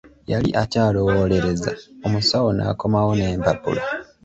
Yali akyalowoolereza, omusawo n'akomawo n'empapula.